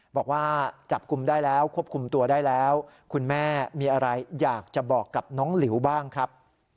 บอกว่าจับกลุ่มได้แล้วควบคุมตัวได้แล้วคุณแม่มีอะไรอยากจะบอกกับน้องหลิวบ้างครับ